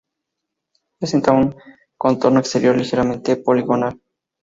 Presenta un contorno exterior ligeramente poligonal.